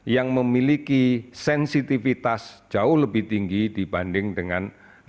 yang memiliki sensitivitas jauh lebih tinggi dibanding dengan